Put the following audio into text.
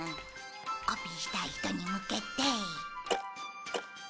コピーしたい人に向けて。